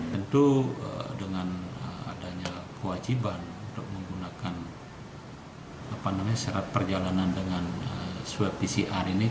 tentu dengan adanya kewajiban untuk menggunakan syarat perjalanan dengan swab pcr ini kan menyebabkan permintaan untuk melakukan tes ini kan semakin banyak